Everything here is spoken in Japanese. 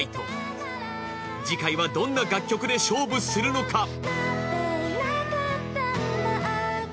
次回はどんな楽曲で勝負するのか？